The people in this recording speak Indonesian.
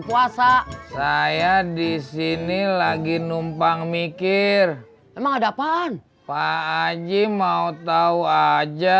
puasa saya disini lagi numpang mikir emang ada apaan pak haji mau tahu aja